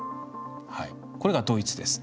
これがドイツです。